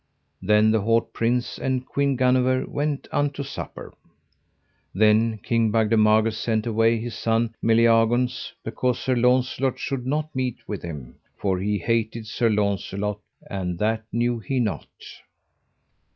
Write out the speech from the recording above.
Then the haut prince and Queen Guenever went unto supper. Then King Bagdemagus sent away his son Meliagaunce because Sir Launcelot should not meet with him, for he hated Sir Launcelot, and that knew he not.